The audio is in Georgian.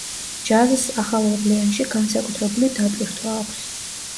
ჯაზს ახალ ორლეანში განსაკუთრებული დატვირთვა აქვს.